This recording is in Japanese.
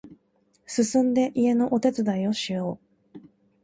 すすんで家のお手伝いをしよう